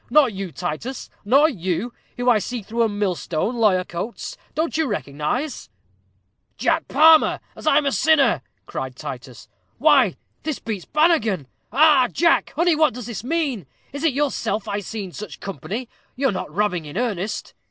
Nor you, Titus? Nor you, who can see through a millstone, lawyer Coates, don't you recognize " "Jack Palmer, as I'm a sinner!" cried Titus. "Why, this beats Banaghan. Arrah! Jack, honey, what does this mean? Is it yourself I see in such company? You're not robbing in earnest?"